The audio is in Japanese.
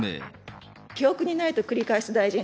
記憶にないと繰り返す大臣。